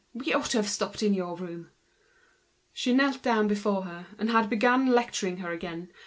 We ought to have stopped in your room." She knelt down before her, and commenced lecturing her again.